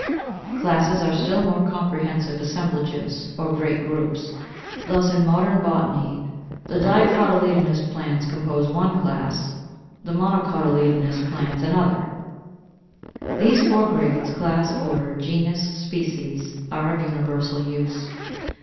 531. =Classes= are still more comprehensive assemblages, or great groups. Thus, in modern botany, the Dicotyledonous plants compose one class, the Monocotyledonous plants another (36 40). 532. These four grades, Class, Order, Genus, Species, are of universal use.